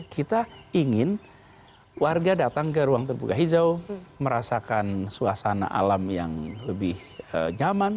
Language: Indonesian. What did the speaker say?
kita ingin warga datang ke ruang terbuka hijau merasakan suasana alam yang lebih nyaman